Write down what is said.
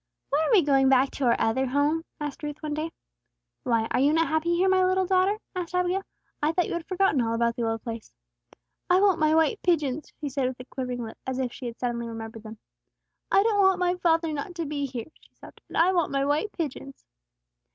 "When are we going back to our other home?" asked Ruth, one day. "Why, are you not happy here, little daughter?" said Abigail. "I thought you had forgotten all about the old place." "I want my white pigeons," she said, with a quivering lip, as if she had suddenly remembered them. "I don't want my father not to be here!" she sobbed; "and I want my white pigeons!"